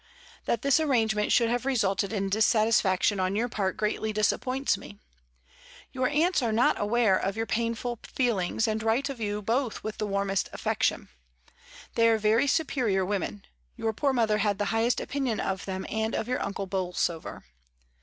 That this arrange ment should have resulted in dissatisfaction on your part greatly disappoints me. Your aunts are not aware of your painful feelings, and write of you both with the warmest affection. They are very superior women; your poor mother had the highest opinion of them and of your uncle Bolsover.